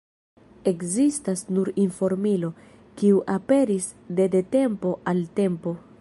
Ekzistas nur informilo, kiu aperis de de tempo al tempo.